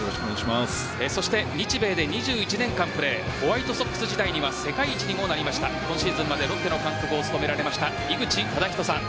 そして日米で２１年間プレーホワイトソックス時代には世界一にもなりました今シーズンまでロッテの監督を務められた井口資仁さん。